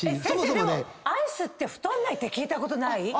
先生でもアイスって太んないって聞いたことない？